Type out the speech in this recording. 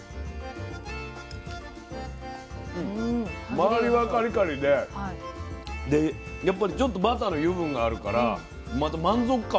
周りはカリカリででやっぱりちょっとバターの油分があるからまた満足感もある。